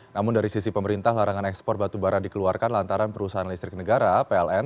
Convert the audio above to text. namun dari sisi pemerintah larangan ekspor batubara dikeluarkan lantaran perusahaan listrik negara pln